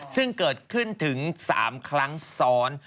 ซึ่งเกิดขึ้นถึง๓ครั้งซ้อน